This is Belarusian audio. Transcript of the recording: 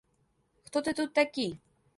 Хто ты тут такі?